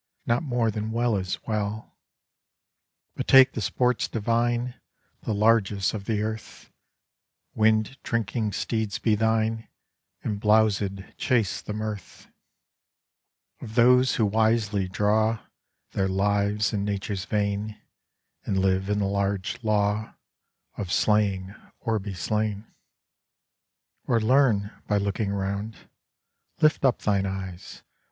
Not more than well is well; But take the sports divine, The largesse of the earth; Wind drinking steeds be thine And blowsèd chase—the mirth Of those who wisely draw Their lives in nature's vein And live in the large law, Of slaying or being slain. 'Or learn by looking round. Lift up thine eyes.